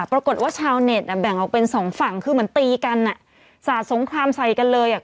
ปรากฏว่าชาวเน็ตอ่ะแบ่งออกเป็นสองฝั่งคือเหมือนตีกันอ่ะสาดสงครามใส่กันเลยอ่ะ